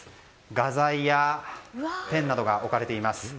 画材やペンなどが置かれています。